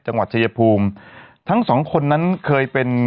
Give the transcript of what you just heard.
จังหวัดชายภูมิทั้งสองคนนั้นเคยเป็น